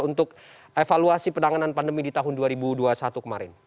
untuk evaluasi penanganan pandemi di tahun dua ribu dua puluh satu kemarin